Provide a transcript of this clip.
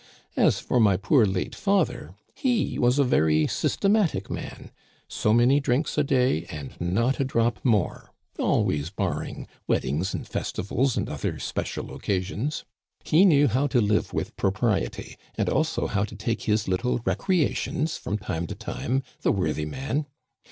As for my poor late father, he was a very systematic man ; so many drinks a day and not a drop more— always barring weddings and fes tivals and other special occasions. He knew how to live with propriety, and also how to take his little recrea tions from time to time, the worthy man